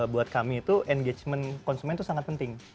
buat kami itu engagement konsumen itu sangat penting